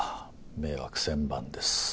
迷惑千万です。